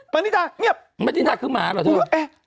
ปานิดาคือหมาหรอ